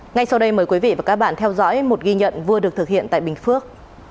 ngay sau đây mời quý vị và các bạn theo dõi một ghi nhận vừa được thực hiện tại bình phước